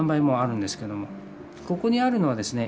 ここにあるのはですね